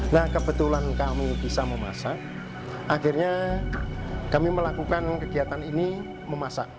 nah kebetulan kami bisa memasak akhirnya kami melakukan kegiatan ini memasak